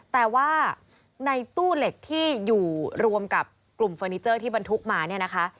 แต่ว่าในตู้เหล็กที่อยู่รวมกับกลุ่มเฟอร์นิเจอร์ที่บรรทุกมาเนี่ยนะคะ